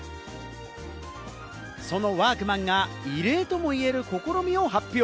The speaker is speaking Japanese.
そのワークマンが異例ともいえる試みを発表。